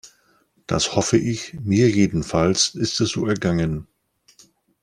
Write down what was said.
Das hoffe ich, mir jedenfalls ist es so ergangen.